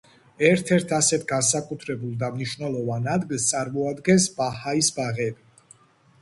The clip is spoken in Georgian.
ერთ-ერთ ასეთ განსაკუთრებულ და მნიშვნელოვან ადგილს წარმოადგენს ბაჰაის ბაღები.